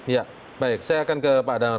ya baik saya akan ke pak damar